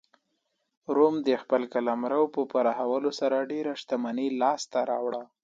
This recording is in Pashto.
روم د خپل قلمرو په پراخولو سره ډېره شتمنۍ لاسته راوړه.